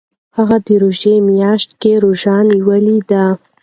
هغه د روژې میاشت کې روژه نیولې ده.